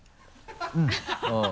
うん。